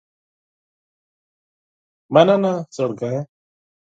مننه زړګیه